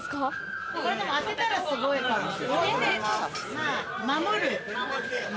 当てたらすごい。守る。